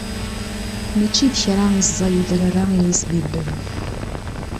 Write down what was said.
Mačči d kra i ẓẓay udrar-a iyi-sbibben.